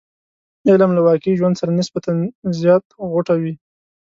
علم له واقعي ژوند سره نسبتا زیات غوټه وي.